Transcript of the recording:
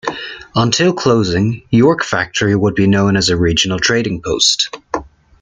Until closing, York Factory would be known as a regional trading post.